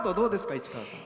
市川さん。